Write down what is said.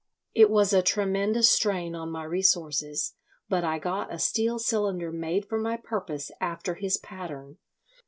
It was a tremendous strain on my resources, but I got a steel cylinder made for my purpose after his pattern.